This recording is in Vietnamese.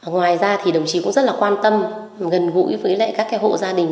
ngoài ra thì đồng chí cũng rất là quan tâm gần gũi với các hộ gia đình